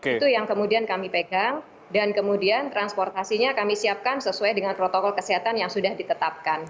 itu yang kemudian kami pegang dan kemudian transportasinya kami siapkan sesuai dengan protokol kesehatan yang sudah ditetapkan